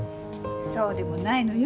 そうでもないのよ。